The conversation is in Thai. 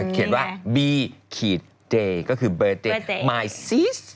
เขียนว่าบีเดย์ก็คือเบอร์เดย์มายซีส